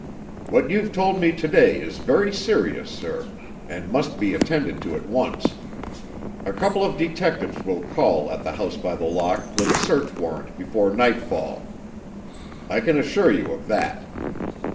What you've told me to day is very serious, sir, and must be attended to at once. A couple of detectives will call at the House by the Lock with a search warrant before nightfall. I can assure you of that.